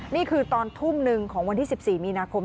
นี่คือตอนทุ่มหนึ่งของวันที่๑๔มีนาคม